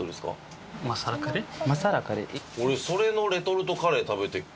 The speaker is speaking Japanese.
俺それのレトルトカレー食べて。